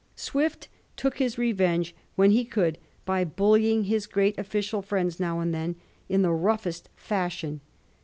Swift took his revenge when he could by bullying his great official fiiends now and then in the roughest fashion.